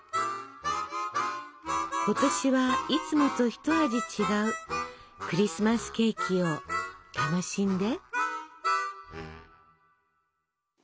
今年はいつもと一味違うクリスマスケーキを楽しんで。